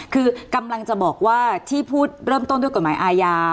คือกำลังจะบอกว่าที่พูดเริ่มต้นด้วยกฎหมายอาญา